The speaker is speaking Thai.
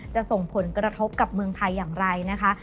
จะส่งผลกระทบกับเมืองไทยอย่างไรนะคะ